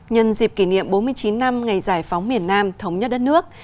nhân dịp kỷ niệm bốn mươi chín năm ngày giải phóng miền nam thống nhất đất nước